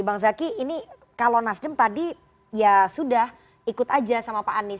bang zaky ini kalau nasdem tadi ya sudah ikut aja sama pak anies